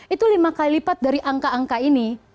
itu lima kali lipat dari angka angka ini